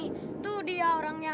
itu dia orangnya